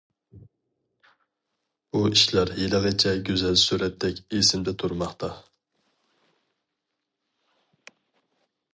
بۇ ئىشلار ھېلىغىچە گۈزەل سۈرەتتەك ئېسىمدە تۇرماقتا.